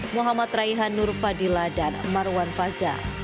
muhammad raihan nur fadila dan marwan faza